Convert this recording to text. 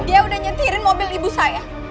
dia udah nyetirin mobil ibu saya